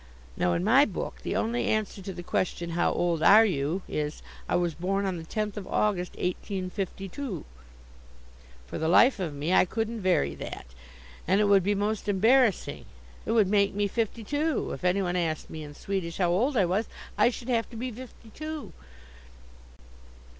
Now, in my book, the only answer to the question 'How old are you?' is, 'I was born on the tenth of August, 1852.' For the life of me, I couldn't vary that, and it would be most embarrassing. It would make me fifty two. If any one asked me in Swedish how old I was, I should have to be fifty two!"